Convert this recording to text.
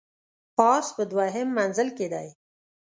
پاس په دوهم منزل کي دی .